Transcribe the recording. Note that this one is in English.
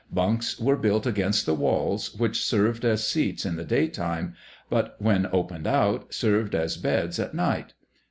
Bunks were built against the walls, which served as seats in the daytime; but when opened out, served as beds at night.